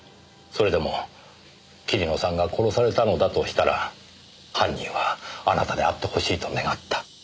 それでも桐野さんが殺されたのだとしたら犯人はあなたであってほしいと願った。